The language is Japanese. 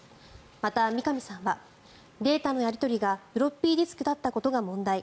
また、三上さんはデータのやり取りがフロッピーディスクだったことが問題